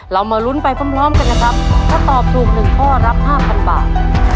เรามาลุ้นไปพร้อมกันนะครับถ้าตอบถูกหนึ่งข้อรับ๕๐๐บาท